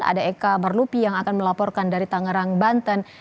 ada eka barlupi yang akan melaporkan dari tangerang banten